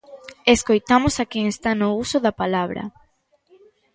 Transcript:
Escoitamos a quen está no uso da palabra.